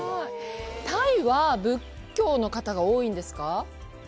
タイは仏教の方が多いんですか。